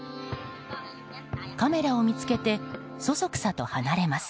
カメラを見つけてそそくさと離れます。